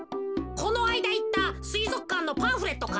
このあいだいったすいぞくかんのパンフレットか？